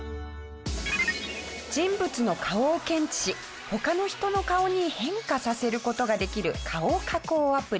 人物の顔を検知し他の人の顔に変化させる事ができる顔加工アプリ。